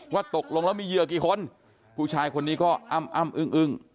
ว่าตกลงแล้วมีเหยื่อกี่คนผู้ชายคนนี้ก็อ้ำอ้ำอึ้งอึ้ง